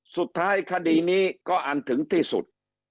สุดท้ายคดีนี้ก็อันถึงที่สุด